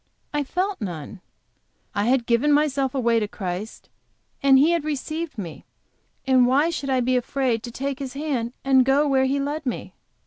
I felt none. I had given myself away to Christ, and He had received me and why should I be afraid to take His hand and go where He led me?